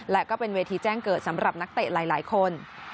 และก็เป็นเวทีแจ้งเกิดสำหรับนักเตะหลายคน